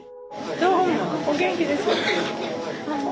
どうもお元気ですか？